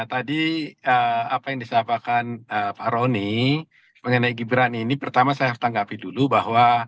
tadi apa yang disampaikan pak roni mengenai gibran ini pertama saya harus tanggapi dulu bahwa